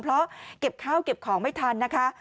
เพราะเก็บข้าวเก็บของไม่ทันนะคะ